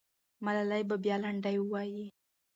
ملالۍ به بیا لنډۍ ووایي.